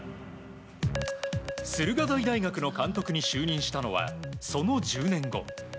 駿河台大学の監督に就任したのはその１０年後。